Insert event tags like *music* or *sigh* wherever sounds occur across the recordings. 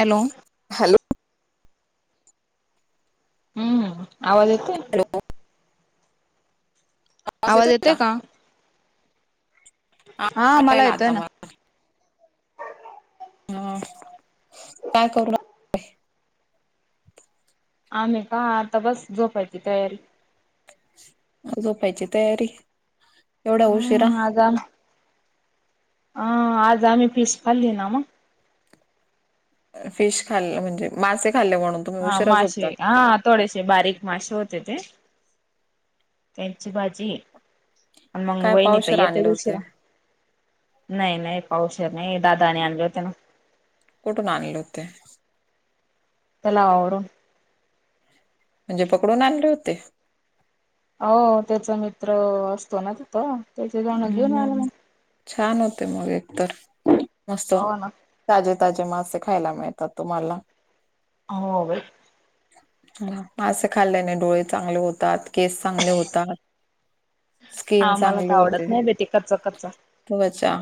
Hello hello हम्म हम्म आवाज येत हॅलो आवाज येते का हा मला यायला येतोय आता ना मला ह काय करू आमही का आता बस झोपायची तयारी झोपायची तयारी एवढा उशिरा हझम अ आज आ्ही पिस फाली ना मग फिश खाल् म्हणजे मासे खाल्ले म्हणून तुम्ही हा उशिरा माश झोपतात ह थोडेसे बारीक मासे होते ते त्यांची भाजी आणि मग काय वहिनी तर पावशेर येते आणले होते दुशिरा नाही नाही पावस नाही दादाने आणले होते ना कुठून आणले होते लावर म्हणजे पकडून आणले होते हो त्याचा मित्र असतो ना तिथं त्याचे जाण घेऊन ह आला मग. छान होते मग एकतर मस्त हो ना ताजे ताजे मासे खायला मिळतात तुम्हाला हो मासे खाल्ल्याने डोळे चांगले होतात केस चांगले होतात स्कीम आम्हाला तर चांगली होती आवडत नाही बेटे कर्चा कर्च ते बचा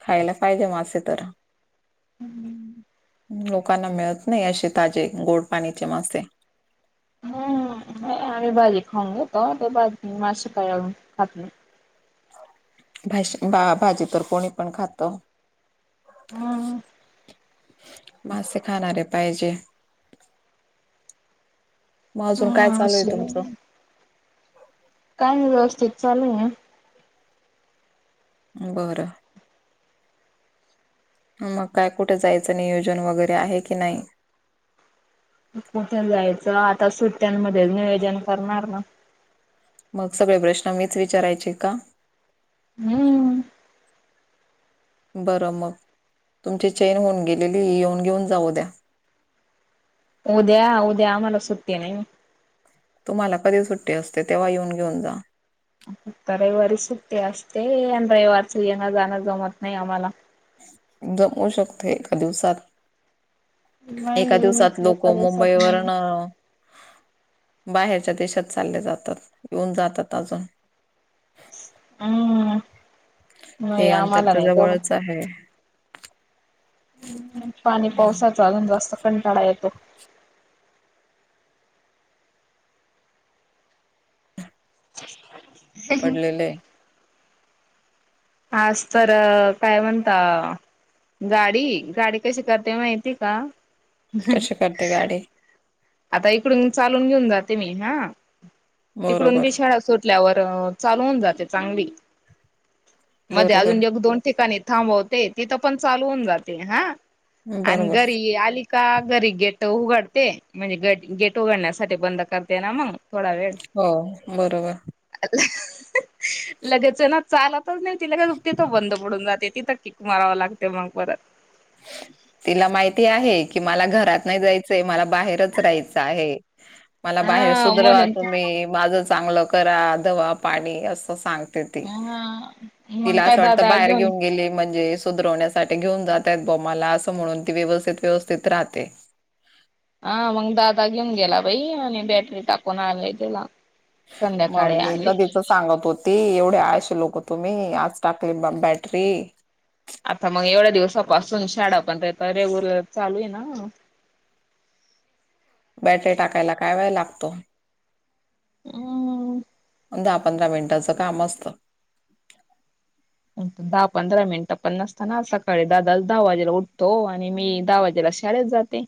खायला पाहिजे मासे तर हम्म लोकांना मिळत नाही असे ताजे गोड पाणीचे मासे हम्मही बाजी खाऊ घे त बा मासे खा खातली भा बा भाजी तर कोणी पण खात हम *unintelligible* मसे खाणारे पाहिजे मग अजून काय हम चालू आहे असं. तुमचं काय व्यवस्थित चालूय ना बरं मग काय कुठे जायचं नियोजन वगैरे आहे की नाही कुठे जायचं आता सुट्ट्यांमध्ये नियोजन करणार ना मग सगळे प्रश्न मीच विचारायचे का हम्म बरं मग तुमची चेन होऊन गेलेली ही येऊन घेऊन जाऊ द्या उद्या उद्या आम्हाला सु्टी नाही तुम्हाला कधी सुट्टी असते तेव्हा येऊन घेऊन जा रविवारी सुट्टी असते आणि रविवारच येंगा जाणं जमत नाही आम्हाला जमवू शकते एका दिवसात एका नाही दिवसात लोक करसत नाही. मुंबईवरन बाहेरच्या देशात चालले जातात येऊन जातात अजून उम्म नाही, हे अंतर आम्हाला तर नाही जमत, जवळच आहे पाणी पावसात चालून जास्त कंटाळा येतो. *inaudible* पडलेले. आज तर... काय म्हणता? गाडी? गाडी कशी करते माहिती का? कशी करते गाडी? आता इकडून चालून घेऊन जाते मी, हा! तिकडून बरोबर बी शाळा सोड ल्यावर चालवून जाते चांगली, मध्ये बरोबर, अजून एक-दोन ठिकाणी थांबवते. तिथं पण चालवून जाते, हा! आणि बरोबर. घरी आली का, घरी गेट उघडते, म्हणजे गट-गेट उघडण्यासाठी बंद करते ना मग थोडा वेळ हो, बरोबर. लगेच ना, चालतच नाही ती, लगेच तिथं बंद पडून जाते तिथं ती. मरावं लागते मग परत *inaudible* तिला माहिती आहे की मला घरात नाही जायचंय, मला बाहेरच राहायचं आहे. मला बाहेर हा सुधरवा म्हणून तुम्ही, माझं चांगलं करा, दवा, पाणी, असं सांग. हा मग तिला काय असं वाटतं, दादा बाहेर घेऊन गेली म्हणजे सुधरवण्यासाठी घेऊन जात *inaudible* मला असं म्हणून, ती व्यवस्थित-व्यवस्थित राहते. हा, मग दादा घेऊन गेला बाई आणि बॅटरी टाकून आणली त्याला. *inaudible* संध्याकाळी आणली असं सांगत होती, एवढे आळशी लोक तुम्ही, आज टाकली बा बॅटरी. आता मग एवढ्या दिवसापासून, शाळा पण त्याची रेग्युलर चालू आहे ना? बॅटरी टाकायला काय वेळ लागतो? उम्म्म. दहा-पंधरा मिनिटाचं काम असतं. दहा-पंधरा मिनिटं पण नसतात ना सकाळी, दादा दहा वाजेला उठतो आणि मी दहा वाजेला शाळेत जाते.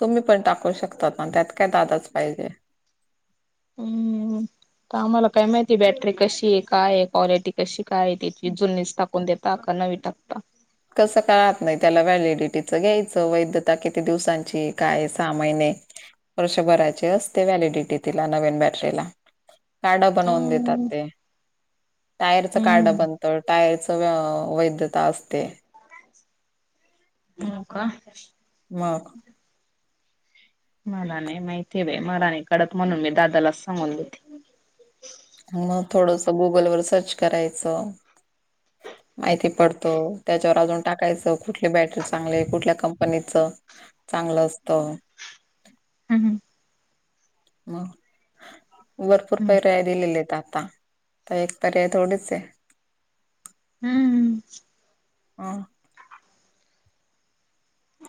तुम्ही पण टाकू शकतात ना? त्यात काय दादाच पाहिजे. हम्म. आता आम्हाला काय माहिती, बॅटरी कशी आहे? काय आहे? क्वालिटी कशी काय आहे त्याची? जुनीच टाकून देत *inaudible* नवी टाकतात. कसं कळत नाही त्याला? व्हॅलिडिटीचं घ्यायचं, वैधता किती दिवसांची, काय, सहा महिने वर्ष भराची असते व्हॅलिडिटी तिला, नवीन बॅटरीला. कार्ड बनवून देतात हम्म ते. टायरचं कार्ड हम्म बनतं, टायरचं व-वैधता असते. हो का? मग! मला नाही माहिती बाई. मला नाही कळत, म्हणून मी दादालाच सांगून देते. मग, थोडसं गुगलवर सर्च करायचं. माहिती पडतो, त्याच्यावर अजून टाकायचं, कुठली बॅटरी चांगली, कुठल्या कंपनीचं चांगलं असतं. हम-हम. ह. भरपूर पर्याय दिलेले आहेत आता, तो एक पर्याय थोडीच आहे. हम्म... हा.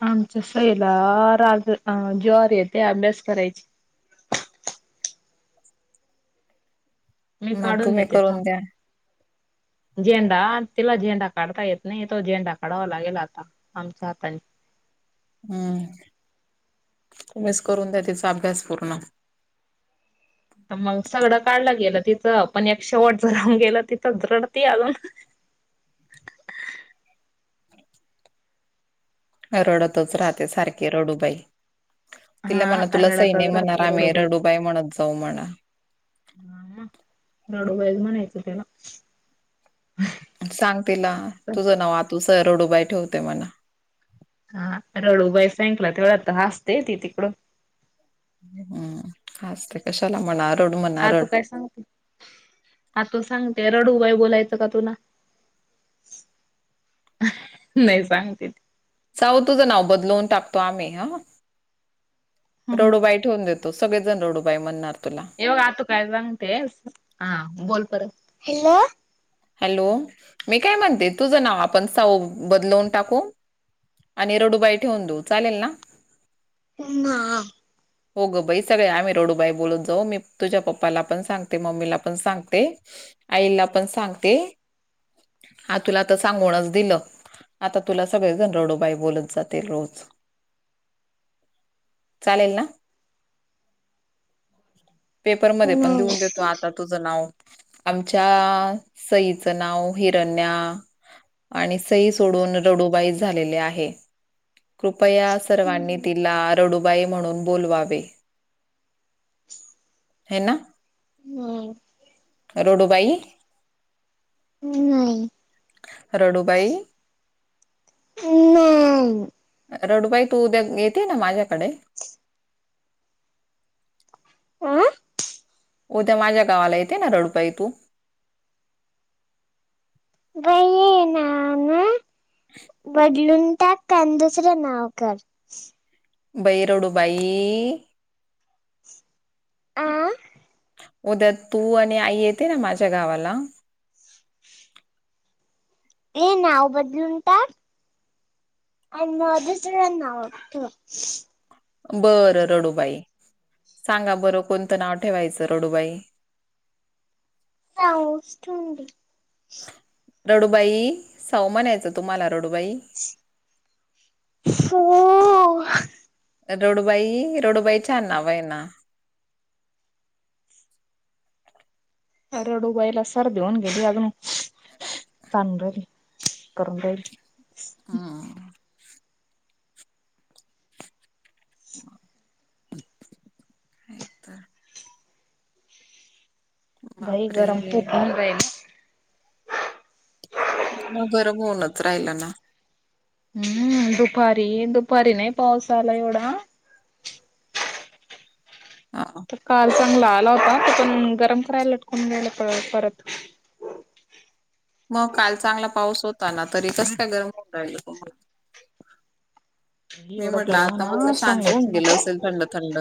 आमच्या सईला राज-अ-जीवावर येतं अभ्यास करायचं. मी मग काढून तुम्ही देते करून द्या. थांब झेंडा तिला झेंडा काढता येत नाही तो झेंडा काढावा लागेल आता आमच्या हात हम्म तुमहीच करून द्या तीचा अभ्यास पूर्ण तर मग सगळं काढलं गेलं तिचं आपण एक शेवटच राऊन गेलं तिथंच रडती अजून रडतच राहते सारखे रडूबाई तिला हा म्हणा तुला सई रडतच नाही म्हनार राहते आम्ही रडूबाई म्हणत जाऊ म्हणा. हम्म हम्म रडू बाई च म्हणायच तिला. सांग तिला तुझं नाव आतुस रडूबाई ठेवते मला हा रडूबाई सांगितलं तेवढ आ तर हसते ती तिकडून हम्म हसते कशाला म्हणा रड म्हणा आतू रड. काय सांगते. आतू सांगते रडूबाई बोलायचं का तुना. नाही सांगते. सावू तुझं नाव बदलवून टाकतो आम्ही ह रडू बाई ठेवून देतो. तो सगळे जण रडू बाई म्हणणार तुला ये बघ आ तो काय सांगते हा बोल परत हलो हॅलो मी काय म्हणते तुझं नाव आपण साऊ बदलवून टाकू आणि रडूबाई ठेवून देऊ चालेल ना. नाय. *inaudible* हो गं बाई सगळे आम्ही रडूबाई बोलत जाऊ मी तुझ्या पप्पाला पण सांगते मम्मीला पण सांगते. आईला पण सांगते हा तुला तर सांगूनच दिलं. आता तुला सगळे जण रडू बाई बोलत जातील रोज चालेल ना. पेपरमध्ये पण देऊन देतो आता तुझं नाव आमच्या सईचं नाव हिरण्या्या आणि सोडून रडुबाई झाले आहे कृपया सर्वांनी तिला रड बाई म्हणून बोलवावे. *inaudible* आहे ना हम्म रडूबाई हम्म रडूबाई हम नाय रडुबाई तू उद्या येते ना माझ्याकडे आ उद्या माझ्या गावाला येते ना रडुबाई तू बाई ये ना ना बदलून टात पण दुसरं नाव कर. बाई रडु बाई आं उद्या तू आणि आई येते ना माझ्या गावाला ये नाव बदलून टाक. आणि दुसरा नाव ठेव. बरं रडूबाई सांगा बरं कोणतं नाव ठेवायचं रडूबाई *inaudible* सावू च ठेवून दे. रडुबाई सावू म्हनयचं तुम्हाला रडुबाई हो रडुबाई रडुबाई छान नाव येना रड उगयला सर्दी होऊन गेली अजून ांल राहिल करून राहिल हा का तर भाई गरम बापरे फूप बन र मग घर बऊनच राहिला ना हम्म दुपारी दुपारी नाही पाऊस आला एवढा हा तर काल चांगला आला होता त पण गरम करायला लटकून ग्यायला परत मग काल चांगला पाऊस होता ना तरी कस का गरम होऊन राहिल तुम्हाला मी एवढं म्हटलं गरम हो आता मत ना शांत सांगूच होऊन गेलं नको असेल थंड थंड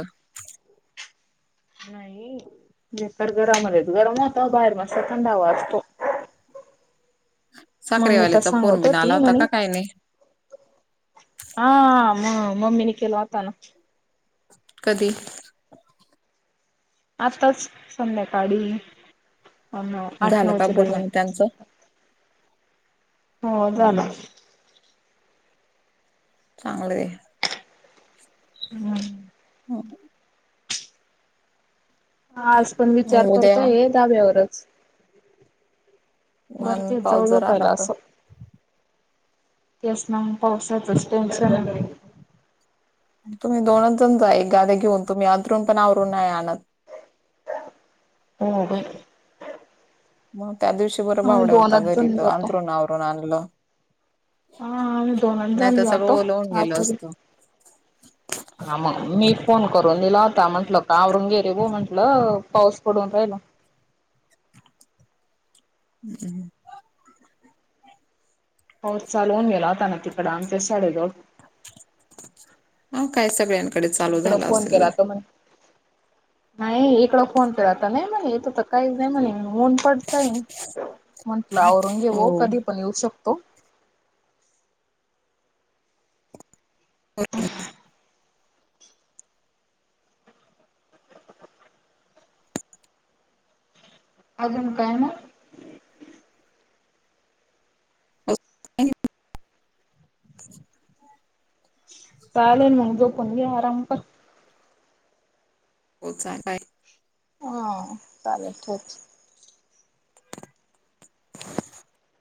नाही म्ह तर गरमलेच गरम होता बाहेर मस्त थंडा हवा असतो मम्मी त साखरेवालीचा फोन सांगत हो बिन आला ती होता म्हणे का काही नाही हा म मम्मी नि केेल होता ना कधी आताच संध्याकाळी आठ झालं का नऊच्या बोलणं दरम्यान मग त्यांचं हो जाला हम्म चांगलय हम्म ह आज पण विचार उद्या करतोय ये धाब्यावरच अन वरतीच जाऊ पाऊस जाऊ जर आला पाहिला तर असं येस मॅम पावसातच टेन्शन आहे तुम्ही दोनच जण जा एक गादा्या घेऊन तुम्ही अरून पण आवरून नाही आणात होही मग त्या दिवशी बरं आम्ही बावड्या होता दोनच घरी जण तर जातो अंतरून आवरून आणलं हा आम्ही दोनच नाही जण तर सगळं जातो ओलावून गेल आसरी. असत हा मग मी फोन करून दिला होता म्हंटल कावरृंगेरी भा म्हंटलं पाऊस पडून राहिला हम्म हो चाल न मललाताना तिकड आमच्या शाळेजवळ ह कायस बन इकड फोन केला होता म नाही इकड फोन केलाता नाही म येत तर काहीच नाही म्हणे ऊन पडताय म्हंटलं औरंगे व हो कधी पण येऊ शकतो ह अजून काय मग अ चालेलल मग जोपण घे आराम कर होच आहे काय ह चालेल च